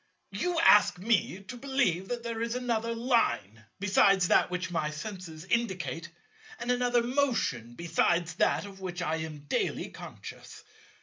You ask me to believe that there is another Line besides that which my senses indicate, and another motion besides that of which I am daily conscious.